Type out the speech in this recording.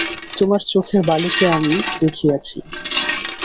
তোমার চোখের বালিকে আমি দেখিয়াছি।